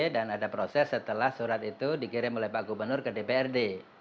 dan ada proses setelah surat itu dikirim oleh pak gubernur ke dprd